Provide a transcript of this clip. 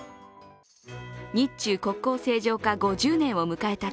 日中国交正常化５０年を迎えた